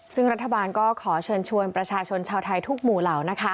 ซึ่งรัฐบาลก็ขอเชิญชวนประชาชนชาวไทยทุกหมู่เหล่า